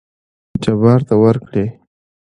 جبار ته ورکړې.